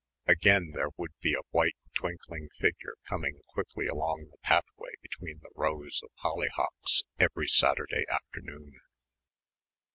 Again there would be a white twinkling figure coming quickly along the pathway between the rows of holly hocks every Saturday afternoon.